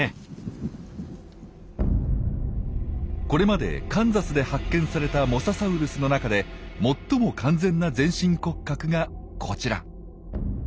これまでカンザスで発見されたモササウルスの中で最も完全な全身骨格がこちら。